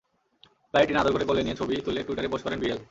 প্রায়ই টিনাকে আদর করে কোলে নিয়ে ছবি তুলে টুইটারে পোস্ট করেন বিয়েল।